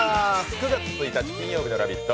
９月１日金曜日の「ラヴィット！」